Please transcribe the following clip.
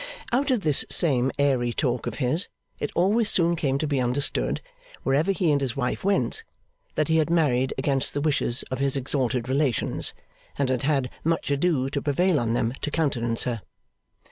Out of this same airy talk of his, it always soon came to be understood, wherever he and his wife went, that he had married against the wishes of his exalted relations, and had had much ado to prevail on them to countenance her.